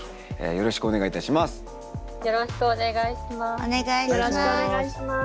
よろしくお願いします。